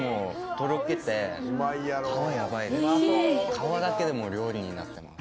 皮だけでもう料理になってます。